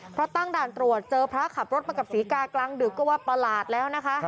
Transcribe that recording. เพราะตั้งด่านตรวจเจอพระขับรถมากับศรีกากลางดึกก็ว่าประหลาดแล้วนะคะ